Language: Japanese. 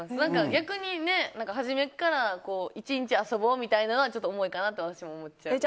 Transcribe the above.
逆に、初めから１日遊ぼうみたいなのはちょっと重いかなと私も思っていて。